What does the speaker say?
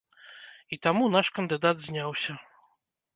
І таму наш кандыдат зняўся.